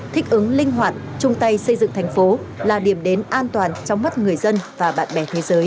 thích ứng linh hoạt chung tay xây dựng thành phố là điểm đến an toàn trong mất người dân và bạn bè thế giới